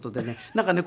なんかね